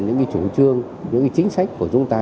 những chủ trương những chính sách của chúng ta